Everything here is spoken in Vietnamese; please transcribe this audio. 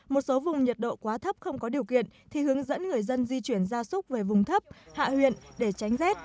một số vùng nhiệt độ quá thấp không có điều kiện thì hướng dẫn người dân di chuyển gia súc về vùng thấp hạ huyện để tránh rét